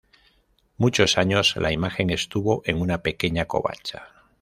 Muchos años la imagen estuvo en una pequeña covacha.